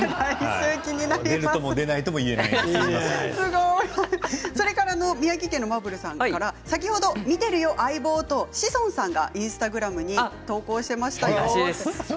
出るとも出ないとも先ほど見てるよ相棒と志尊さんがインスタグラムに投稿していました。